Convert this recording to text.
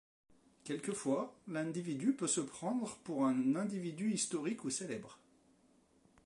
Quelquefois, l'individu peut se prendre pour un individu historique ou célèbre.